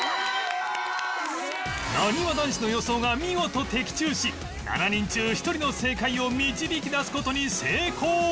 なにわ男子の予想が見事的中し７人中１人の正解を導き出す事に成功！